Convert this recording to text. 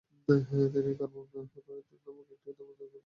তিনি কার্মা-ব্কা'-ব্র্গ্যুদ নামক একটি নতুন ধর্মীয় গোষ্ঠীর প্রতিষ্ঠা করেন।